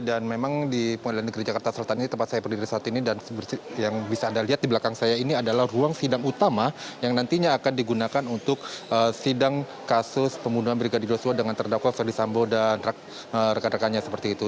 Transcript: dan memang di pengadilan negeri jakarta selatan ini tempat saya berdiri saat ini dan yang bisa anda lihat di belakang saya ini adalah ruang sidang utama yang nantinya akan digunakan untuk sidang kasus pembunuhan brigadir yosua dengan terdakwa ferdi sambo dan rekan rekannya seperti itu